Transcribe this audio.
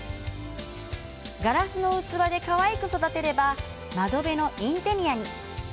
ガラスの器でかわいく育てれば窓辺のインテリアに。